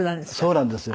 そうなんですよ。